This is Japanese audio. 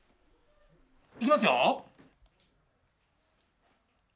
いきますよ！